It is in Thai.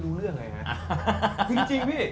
แค่นี้